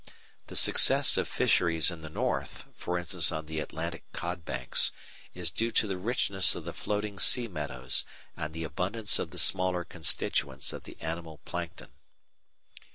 The success of fisheries in the North, e.g. on the Atlantic cod banks, is due to the richness of the floating sea meadows and the abundance of the smaller constituents of the animal Plankton.